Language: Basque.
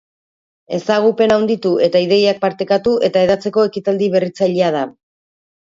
Ezagupena handitu eta ideiak partekatu eta hedatzeko ekitaldi berritzailea da.